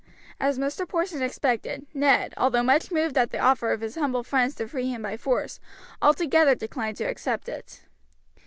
As Mr. Porson expected, Ned, although much moved at the offer of his humble friends to free him by force, altogether declined to accept it.